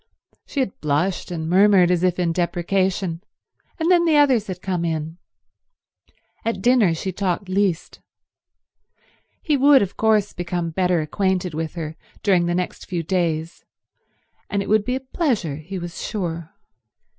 She had blushed, and murmured as if in deprecation, and then the others had come in. At dinner she talked least. He would, of course, become better acquainted with her during the next few days, and it would be a pleasure, he was sure.